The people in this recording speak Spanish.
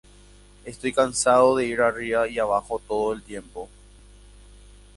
Estoy cansado de ir arriba y abajo todo el tiempo.